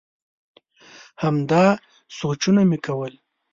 همدا سوچونه مي کول ؟